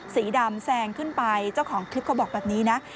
สีดำแซงขึ้นไปเจ้าของคลิปเขาบอกแบบนี้นะ